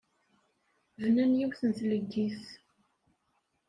Bnan yiwet n tleggit.